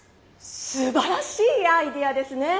すばらしいアイデアですね！